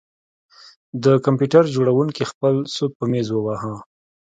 د کمپیوټر جوړونکي خپل سوک په میز وواهه